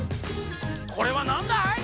これはなんだい？